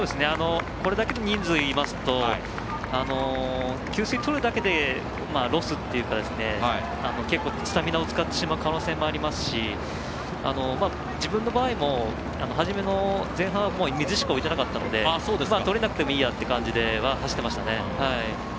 これだけの人数いますと給水を取るだけでロスといいますかスタミナを使ってしまう可能性もありますし自分の場合も初めの前半は、もう水しか置いていなかったので取れなくてもいいやという感じで走っていましたね。